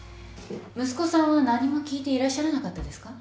息子さんは何も聞いていらっしゃらなかったですか？